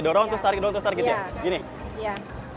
dorong aja dorong terus tarik tarik gitu ya